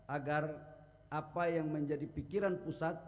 agar apa yang menjadi pikiran pusat